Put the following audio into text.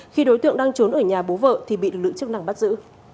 khi đối tượng đang trốn ở nhà bố vợ thì bị lựu chức năng bắt giữ